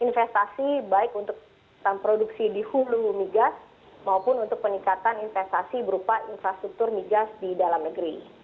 investasi baik untuk produksi di hulu migas maupun untuk peningkatan investasi berupa infrastruktur migas di dalam negeri